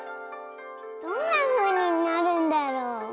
どんなふうになるんだろう？